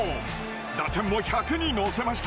打点も１００に乗せました。